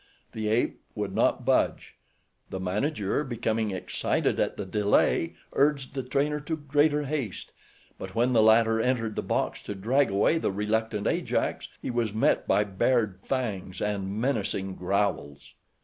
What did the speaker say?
The ape would not budge. The manager, becoming excited at the delay, urged the trainer to greater haste, but when the latter entered the box to drag away the reluctant Ajax he was met by bared fangs and menacing growls.